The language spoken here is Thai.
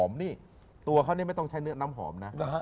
มีตัวค่อนข้างคาวเชิญชั้นน้ำหอม